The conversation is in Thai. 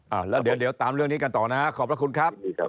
เอาแล้วเดี๋ยวตามเรื่องนี้กันต่อนะครับขอบพระคุณครับ